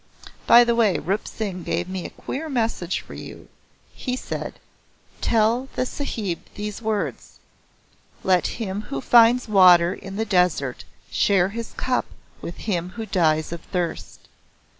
By the way Rup Singh gave me a queer message for you. He said; 'Tell the Sahib these words "Let him who finds water in the desert share his cup with him who dies of thirst."